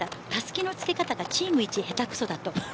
たすきのつけ方がチーム１下手くそだと。